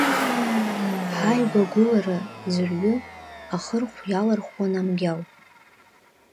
Ҳааигәа агәылара, ӡәырҩы, ахырхә иалархуан амгьал.